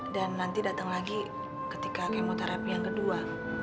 dan nanti datang lagi ketika kemo terapi yang kedua